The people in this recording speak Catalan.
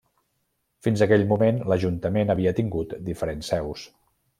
Fins aquell moment l’ajuntament havia tingut diferents seus.